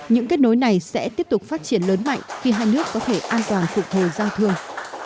những kết nối này sẽ tiếp tục phát triển lớn mạnh khi hai nước có thể an toàn phục hồi giao thương